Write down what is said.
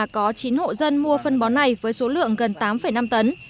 có chín hộ dân mua phân bón này với số lượng gần tám năm tấn